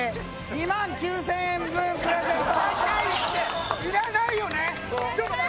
２万９０００円分自腹プレゼント